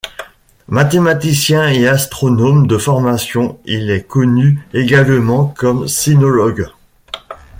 Mathématicien et astronome de formation il est connu également comme sinologue.